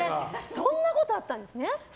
そんなことがあったんですね。